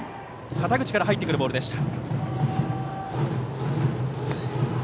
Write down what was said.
肩口から入ってくるボールでした。